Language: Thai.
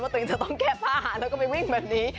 ตัวเองจะต้องแก้ผ้าแล้วก็ไปวิ่งแบบนี้